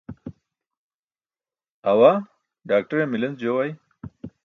awaa ḍaakṭere milenc joo ay